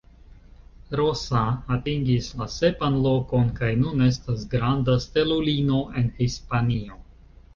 Rosa atingis la sepan lokon kaj nun estas granda stelulino en Hispanio.